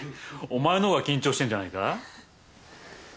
お前の方が緊張してんじゃないか？